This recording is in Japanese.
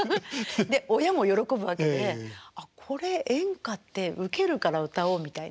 で親も喜ぶわけで「あっこれ演歌ってウケるから歌おう」みたいな。